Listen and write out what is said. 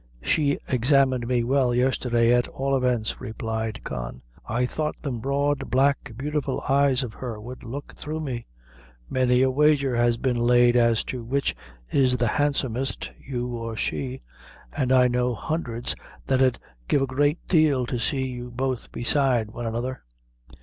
"She examined me well yesterday, at all events," replied Con. "I thought them broad, black, beautiful eyes of hers would look through me. Many a wager has been laid as to which is the handsomest you or she; an' I know hundreds that 'ud give a great deal to see you both beside one another."